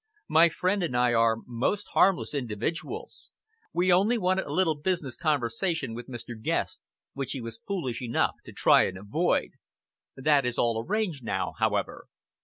My friend and I are most harmless individuals. We only wanted a little business conversation with Mr. Guest, which he was foolish enough to try and avoid. That is all arranged, now, however!"